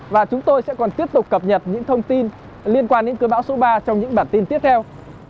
và chúng tôi sẽ còn tiếp tục cập nhật những thông tin liên quan đến cơn bão số ba trong những bản tin tiếp theo